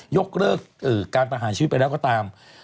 ยกเลิกการประหารชีวิตไปแล้วก็ตาม